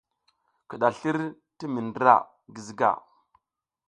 Kiɗaslir ti mi ndra Giziga.